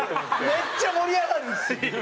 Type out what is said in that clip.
めっちゃ盛り上がるんですよ。